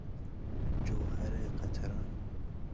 جوهر قطران